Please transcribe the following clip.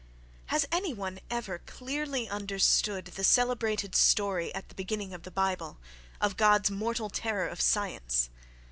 —Has any one ever clearly understood the celebrated story at the beginning of the Bible—of God's mortal terror of science?...